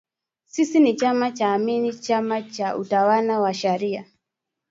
Sisi ni chama cha Amani chama cha utawala wa sharia